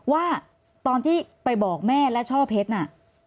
ว่าตอนที่ไปบอกแม่และช่อเพชรน่ะ